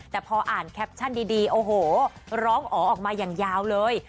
แต่พออ่านแคปชั่นดีโอ้โหร้องอ๋อออกมาอย่างยาวเลย